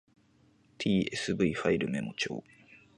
tsv ファイルメモ帳